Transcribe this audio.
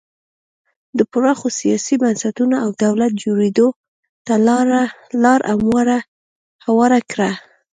د پراخو سیاسي بنسټونو او دولت جوړېدو ته لار هواره کړه.